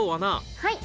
はい。